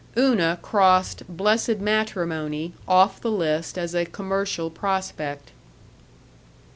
Una crossed blessed matrimony off the list as a commercial prospect.